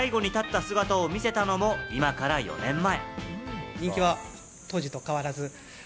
最後に立った姿を見せたのも今から４年前。